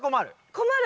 困る。